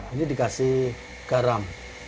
ini dikasih garam